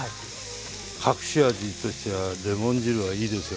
隠し味としてはレモン汁はいいですよ。